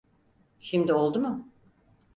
Şimdi oldu mu?